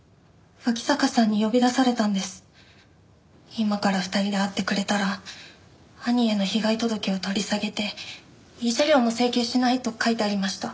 今から２人で会ってくれたら兄への被害届を取り下げて慰謝料も請求しないと書いてありました。